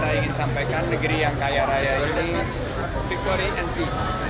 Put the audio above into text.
saya ingin sampaikan negeri yang kaya raya ini victory and peace